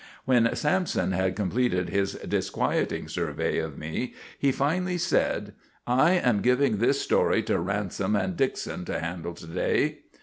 When Sampson had completed his disquieting survey of me, he finally said: "I am giving this story to Ransom and Dickson to handle to day."